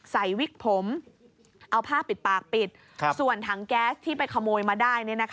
วิกผมเอาผ้าปิดปากปิดส่วนถังแก๊สที่ไปขโมยมาได้